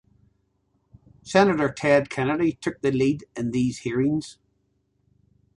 Senator Ted Kennedy took the lead in these hearings.